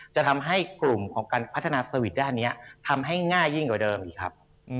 จะทำให้กลุ่มของการพัฒนาสวิตช์ด้านนี้ทำให้ง่ายยิ่งกว่าเดิมอีกครับ